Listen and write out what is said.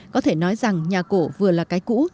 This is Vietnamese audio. có thể nói rằng nhà cổ vừa là cái cũ